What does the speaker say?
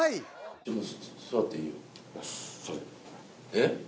えっ？